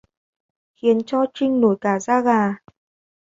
Khiến cho Trinh nổi cả da gà